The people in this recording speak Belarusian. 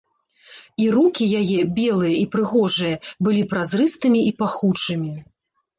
І рукі яе, белыя і прыгожыя, былі празрыстымі і пахучымі.